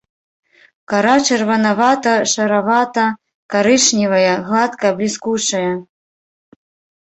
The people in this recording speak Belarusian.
Кара чырванавата-шаравата-карычневая, гладкая і бліскучая.